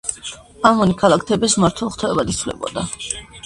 ამონი ქალაქ თებეს მფარველ ღვთაებად ითვლებოდა.